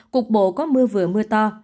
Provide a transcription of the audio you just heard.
cuộc bộ có mưa vừa mưa to